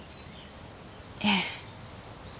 ええ。